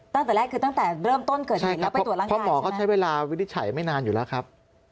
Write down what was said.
ตั้งแต่แรกคือตั้งแต่เริ่มต้นเกิดเหตุแล้วไปตรวจร่างกายเพราะหมอเขาใช้เวลาวินิจฉัยไม่นานอยู่แล้วครับ